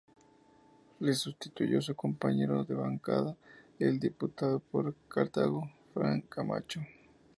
Le sustituyó su compañero de bancada, el diputado por Cartago, Frank Camacho.